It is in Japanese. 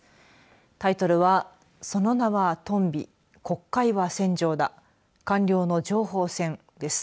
タイトルはその名はトンビ国会は戦場だ官僚の情報戦です。